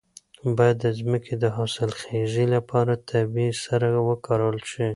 باید د ځمکې د حاصلخیزۍ لپاره طبیعي سره وکارول شي.